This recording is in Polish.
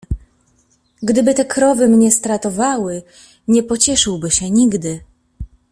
"Gdyby te krowy mnie stratowały, nie pocieszyłby się nigdy."